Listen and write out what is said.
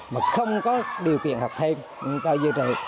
mà không có điều kiện học thêm người ta dư trợ